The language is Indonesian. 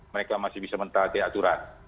mereka masih bisa mentah di aturan